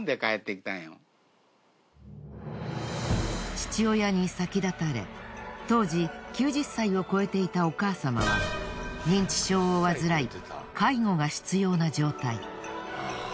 父親に先立たれ当時９０歳を超えていたお母様は認知症を患い介護が必要な状態。